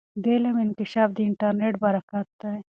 د علم انکشاف د انټرنیټ برکت دی.